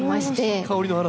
香りの嵐。